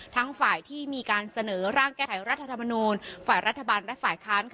ทั้งฝ่ายที่มีการเสนอร่างแก้ไขรัฐธรรมนูลฝ่ายรัฐบาลและฝ่ายค้าน